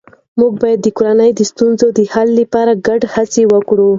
موږ باید د کورنۍ د ستونزو د حل لپاره ګډه هڅه وکړو